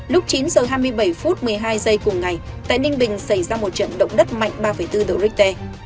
lúc chín h hai mươi bảy phút một mươi hai giây cùng ngày tại ninh bình xảy ra một trận động đất mạnh ba bốn độ richter